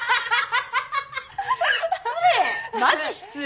失礼。